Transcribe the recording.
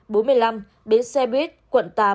bốn mươi năm bến xe buýt quận tám